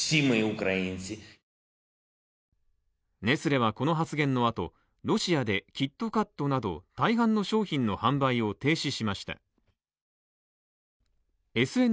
ネスレはこの発言のあと、ロシアでキットカットなど大半の商品の販売を停止しました。